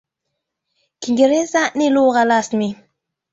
Kiingereza ni lugha rasmi.